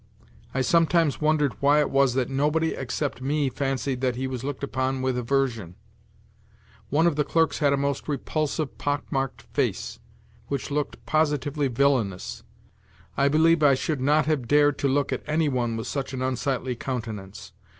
I sometimes wondered why it was that nobody except me fancied, that he was looked upon with aversion ? One of the clerks had a most repulsive, pock marked face, which looked positively villainous. I believe I should not have dared to look at any one with such an unsightly countenance.